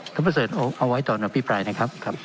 ท่านประเศษเอาเอาไว้ต่อหน่อยพี่ปลายนะครับครับ